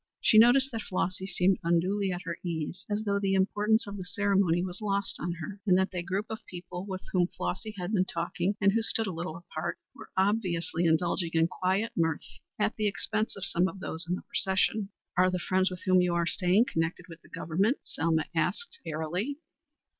She noticed that Flossy seemed unduly at her ease as though the importance of the ceremony was lost on her, and that they group of people with whom Flossy had been talking and who stood a little apart were obviously indulging in quiet mirth at the expense of some of those in the procession. "Are the friends with whom you are staying connected with the Government?" Selma asked airily.